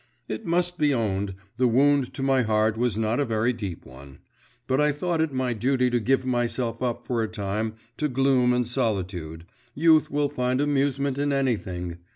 It must be owned, the wound to my heart was not a very deep one; but I thought it my duty to give myself up for a time to gloom and solitude youth will find amusement in anything!